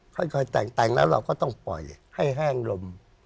ค่อยแต่งแล้วเราก็ต้องปล่อยให้แห้งลม